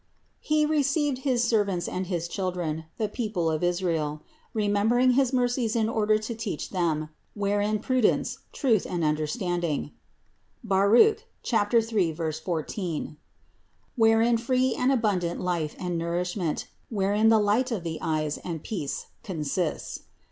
He received his servants and his children, the people of Israel, remembering his mer cies in order to teach them, wherein prudence, truth and understanding (Bar. 3, 14), wherein free and abundant life and nourishment, wherein the light of the eyes and peace consists.